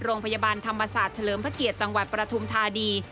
โรงพยาบาลธรรมศาสตร์เฉลิมพระเกียรติจังหวัดประทุมธานี